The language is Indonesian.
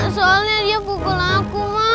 soalnya dia pukul aku